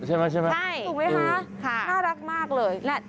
ใช่ไหมถูกไหมคะน่ารักมากเลยนะ